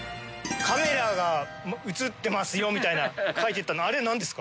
カメラが映ってますよみたいな書いてたのあれなんですか？